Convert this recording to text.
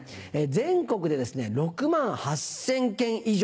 全国で６万８０００軒以上。